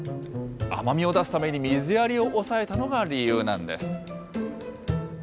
甘みを出すために水やりを抑えたのが理由なんです。